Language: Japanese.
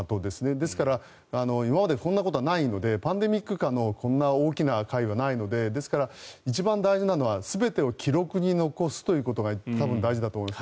ですから、今までこんなことはないのでパンデミック下のこんな大きな会はないのでですから一番大事なのは全てを記録に残すということが多分、大事だと思います。